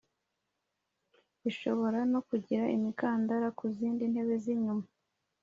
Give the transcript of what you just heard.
Ishobora no kugira imikandara ku zindi ntebe z’inyuma.